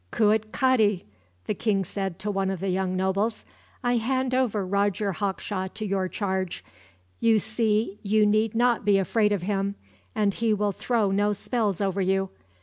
"Cuitcatl," the king said to one of the young nobles, "I hand over Roger Hawkshaw to your charge. You see you need not be afraid of him, and he will throw no spells over you.